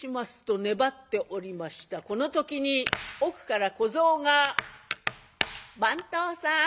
この時に奥から小僧が「番頭さん